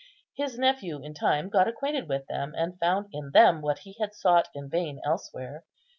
His nephew in time got acquainted with them, and found in them what he had sought in vain elsewhere.